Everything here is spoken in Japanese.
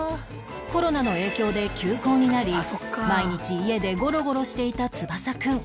コロナの影響で休校になり毎日家でゴロゴロしていた翼くん